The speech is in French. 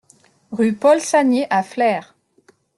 Rue Paul Saniez à Flers